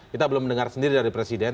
kita belum mendengar sendiri dari presiden